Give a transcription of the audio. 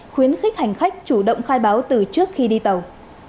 khuyến khích hành khách chủ động khai báo từ trước khi đi tàu